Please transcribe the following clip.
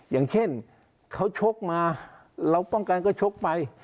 อย่างเช่นเขาชกมาเราป้องกันก็ชกไป